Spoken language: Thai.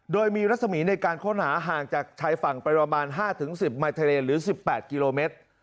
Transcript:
โดยมีรัศมีในการค้นหาห่างจากชายฝั่งไปประมาณ๕๑๐มายทะเลหรือ๑๘กิโลเมตร